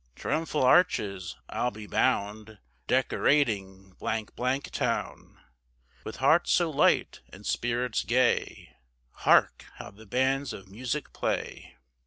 Triumphal arches I'll be bound, Decorating town; With hearts so light and spirits gay, Hark! how the bands of music play.